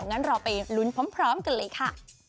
งั้นเราไปลุ้นพร้อมกันเลยค่ะ